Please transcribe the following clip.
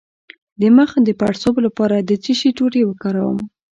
د مخ د پړسوب لپاره د څه شي ټوټې وکاروم؟